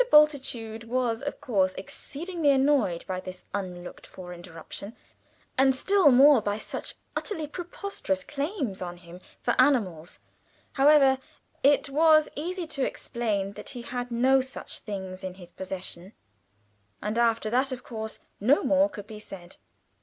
Bultitude was of course exceedingly annoyed by this unlooked for interruption, and still more by such utterly preposterous claims on him for animals; however, it was easy to explain that he had no such things in his possession, and after that of course no more could be said.